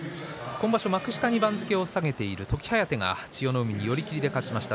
今場所、幕下に番付を下げている時疾風が寄り切りで勝ちました。